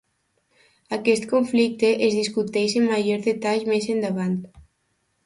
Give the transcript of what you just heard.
Aquest conflicte es discuteix en major detall més endavant.